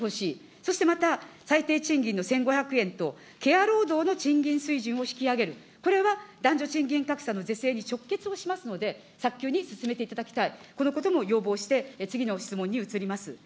そしてまた、最低賃金の１５００円とケア労働の賃金水準を引き上げる、これは男女賃金格差の是正に直結をしますので、早急に進めていただきたい、このことも要望して、次の質問に移ります。